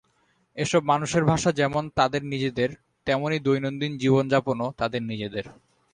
এসব মানুষের ভাষা যেমন তাদের নিজেদের, তেমনই দৈনন্দিন জীবনযাপনও তাদের নিজেদের।